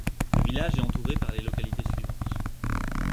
Le village est entouré par les localités suivantes.